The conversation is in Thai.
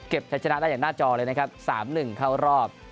ใช้ชนะได้อย่างหน้าจอเลยนะครับ๓๑เข้ารอบ